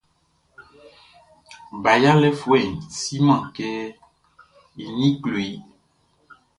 Ba yalɛfuɛʼn siman kɛ i ninʼn klo i.